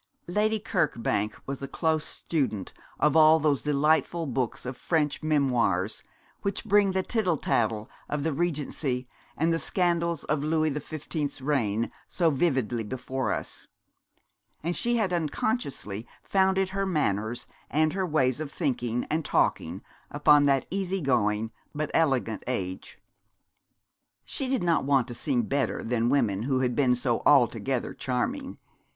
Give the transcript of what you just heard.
Lady Kirkbank was a close student of all those delightful books of French memoirs which bring the tittle tattle of the Regency and the scandals of Louis the Fifteenth's reign so vividly before us: and she had unconsciously founded her manners and her ways of thinking and talking upon that easy going but elegant age. She did not want to seem better than women who had been so altogether charming.